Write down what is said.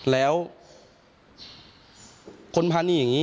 แล้วคนพาหนีอย่างนี้